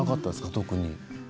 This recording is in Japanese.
特に。